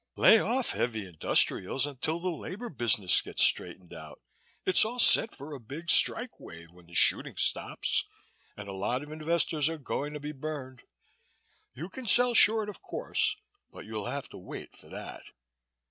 Lay off heavy industrials until the labor business gets straightened out. It's all set for a big strike wave when the shooting stops and a lot of investors are going to be burned. You can sell short of course but you'll have to wait for that.